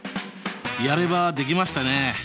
やればできましたね。